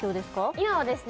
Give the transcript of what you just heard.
今はですね